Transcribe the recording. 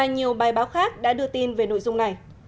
nhiều bài báo khác đã đưa tin về nội dung này